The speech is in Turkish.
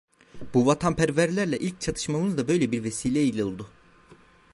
Bu vatanperverlerle ilk çatışmamız da böyle bir vesile ile oldu.